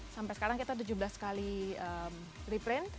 sampai sekarang kita tujuh belas kali reprint